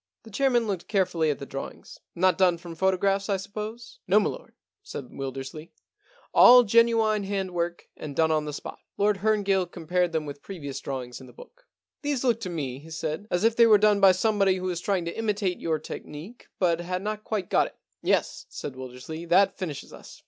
The chairman looked carefully at the draw ings. * Not done from photographs, I sup pose }* 176 The Alibi Problem * No, m*Iord/ said Wildersley, * All genuine hand work and done on the spot/ Lord Herngill compared them with previous drawings in the book. * These look to me/ he said, * as if they were done by somebody who was trying to imitate your technique but had not quite got it/ * Yes/ said Wildersley, * that finishes us.